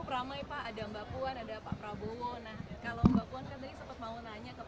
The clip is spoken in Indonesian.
kalau mbak puan kan tadi sempat mau nanya ke pak